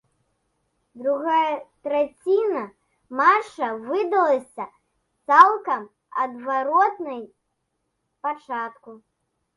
Другая траціна матча выдалася цалкам адваротнай пачатку.